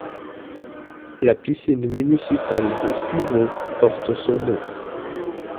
La piscine municipale de Fuveau porte son nom.